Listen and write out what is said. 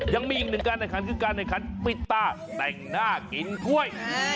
ยังมีอีกหนึ่งการในคันคือการในคันปิ๊ตต้าแต่งหน้ากินกล้วย